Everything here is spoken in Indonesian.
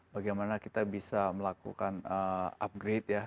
bagaimana kita bisa melakukan upgrade ya